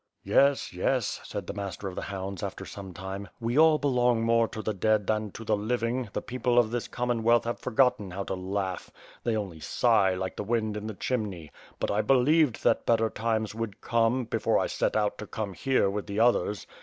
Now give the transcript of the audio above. "Yes, yes," said the Master of the Hounds after some time, "we all belong more to the dead than to the living, the people of this Commonwealth have forgotten how to laugh, they only sigh, like the wind in the chimney; but I believed that better times would come, before I set out to come here with the others.